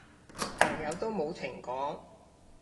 朋友都冇情講